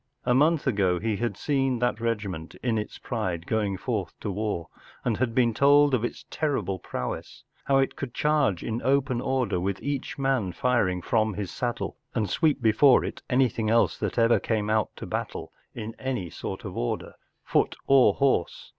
A month ago he had seen that regiment in its pride going forth to war, and had been told of its terrible prowess, how it could charge in open order with each man firing from his saddle, and sweep before it anything else that ever came out to battle in any sort of order, foot or horse.